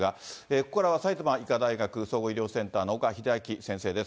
ここからは埼玉医科大学総合医療センターの岡秀昭先生です。